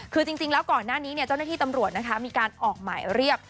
คือจริงแล้วก่อนหน้านี้เจ้าหน้าที่ตำรวจนะคะมีการออกหมายเรียก